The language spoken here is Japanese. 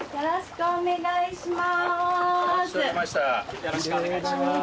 よろしくお願いします。